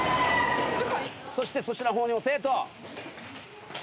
そして粗品の方にも生徒。